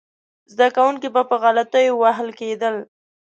زده کوونکي به په غلطیو وهل کېدل.